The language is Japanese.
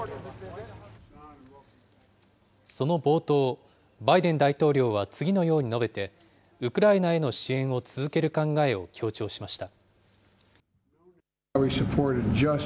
その冒頭、バイデン大統領は次のように述べて、ウクライナへの支援を続ける考えを強調しました。